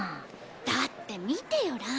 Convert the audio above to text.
だって見てよ蘭。